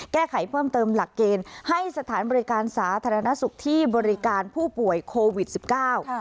แก้ไขเพิ่มเติมหลักเกณฑ์ให้สถานบริการสาธารณสุขที่บริการผู้ป่วยโควิดสิบเก้า